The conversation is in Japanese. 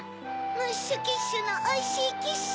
ムッシュ・キッシュのおいしいキッシュ！